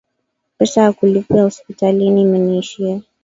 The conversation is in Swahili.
Pesa ya kulipa hospitalini imeniishia.